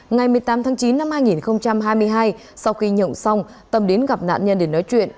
ngày một mươi tám tháng chín năm hai nghìn hai mươi hai sau khi nhộn xong tâm đến gặp nạn nhân để nói chuyện